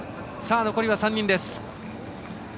残りは３人です。